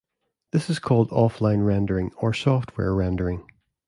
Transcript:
This is called offline rendering or software rendering.